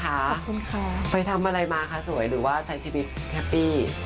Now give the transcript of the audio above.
ขอบคุณค่ะไปทำอะไรมาคะสวยหรือว่าใช้ชีวิตแฮปปี้